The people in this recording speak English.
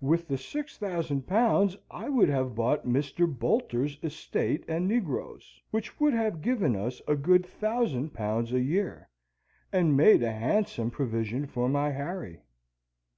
With the six thousand pounds I would have bought Mr. Boulter's estate and negroes, which would have given us a good thousand pounds a year, and made a handsome provision for my Harry."